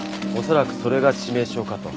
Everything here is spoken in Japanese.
恐らくそれが致命傷かと。